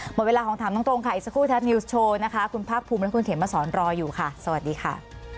หมดเวลาของถามตรงค่ะอีกสักครู่แท็บนิวส์โชว์นะคะคุณภาคภูมิและคุณเขมมาสอนรออยู่ค่ะสวัสดีค่ะ